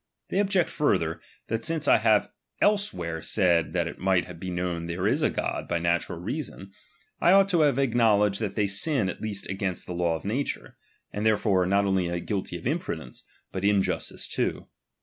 Thej object further, that Bince I liad elsewhere said tliat it might be known there is a God by natural reason, I ought to have acknowledged tliat they sin at least against the law of nature, and therefore are not only guilty of imprudence, but injustice too.